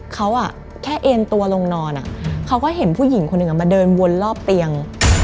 เขาแค่เอ็นตัวลงนอนเขาก็เห็นผู้หญิงคนหนึ่งมาเดินวนรอบเตียง